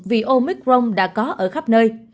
vì omicron đã có ở khắp nơi